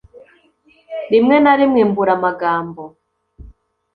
rimwe narimwe mbura amagambo